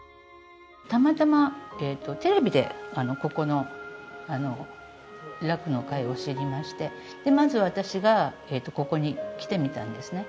たまたまテレビでここの楽の会を知りましてまず私がここに来てみたんですね。